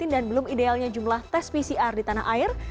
dan belum idealnya jumlah tes pcr di tanah air